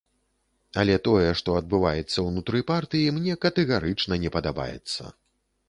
Але тое, што адбываецца ўнутры партыі, мне катэгарычна не падабаецца.